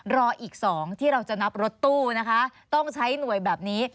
รออีก๒ที่เราจะนับรถตู้นะคะต้องใช้หน่วยแบบนี้